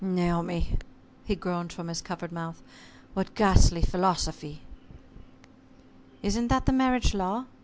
"Naomi," he groaned from his covered mouth, "what ghastly philosophy." "Isn't that the marriage law?